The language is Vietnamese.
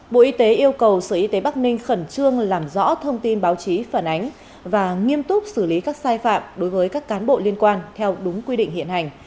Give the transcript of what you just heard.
bộ y tế yêu cầu sở y tế bắc ninh khẩn trương làm rõ thông tin báo chí phản ánh và nghiêm túc xử lý các sai phạm đối với các cán bộ liên quan theo đúng quy định hiện hành